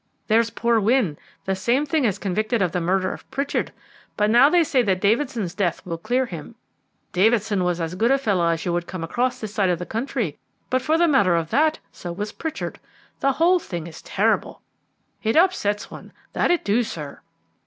There's poor Wynne, the same thing as convicted of the murder of Pritchard; but now they say that Davidson's death will clear him. Davidson was as good a fellow as you would come across this side of the country; but for the matter of that, so was Pritchard. The whole thing is terrible it upsets one, that it do, sir."